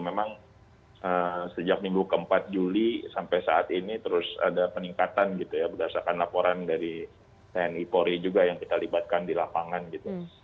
memang sejak minggu keempat juli sampai saat ini terus ada peningkatan gitu ya berdasarkan laporan dari tni polri juga yang kita libatkan di lapangan gitu